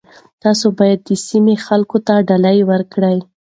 تاسي باید د سیمې خلکو ته ډالۍ ورکړئ.